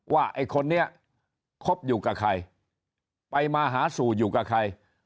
ว่าไอ้คนนี้คบอยู่กับใครไปมาหาสู่อยู่กับใคร